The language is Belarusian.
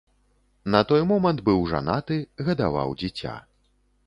На той момант быў жанаты, гадаваў дзіця.